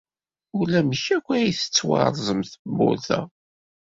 Ulamek akk ay tettwarẓem tewwurt-a.